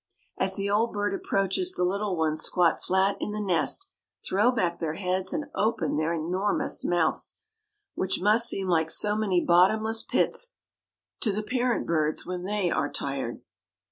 As the old bird approaches the little ones squat flat in the nest, throw back their heads and open their enormous mouths, which must seem like so many bottomless pits to the parent birds when they are tired.